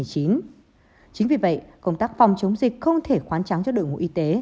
chính vì vậy công tác phòng chống dịch không thể khoán trắng cho đội ngũ y tế